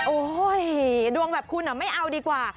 โอ้โหดวงแบบคุณอ่ะไม่เอาดีกว่า